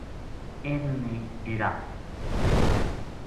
اِنھ نے ڈیرا